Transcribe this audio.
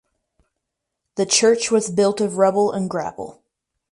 The church was built of rubble and gravel.